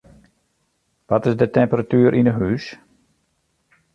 Wat is de temperatuer yn 'e hús?